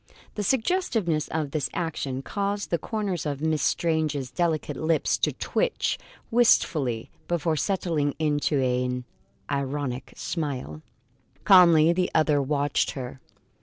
The suggestiveness of the action caused the corners of Miss Srange's delicate lips to twitch wistfully, before settling into an ironic smile. Calmly the other watched her.